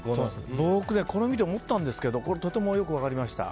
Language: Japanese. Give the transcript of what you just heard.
僕、これを見て思ったんですがすごくよく分かりました。